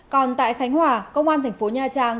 còn tại khánh hòa công an thành phố nha trang